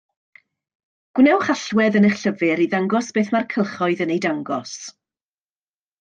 Gwnewch allwedd yn eich llyfr i ddangos beth mae'r cylchoedd yn eu dangos.